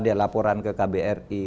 dia laporan ke kbri